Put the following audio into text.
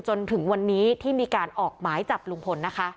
จนถึงวันนี้ที่มีการออกหมายจับลุงพลนะคะ